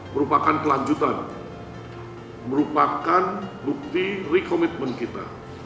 merupakan kelanjutan merupakan bukti re commitment kita